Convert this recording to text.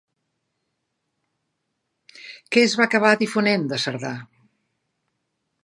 Què es va acabar difonent de Cerdà?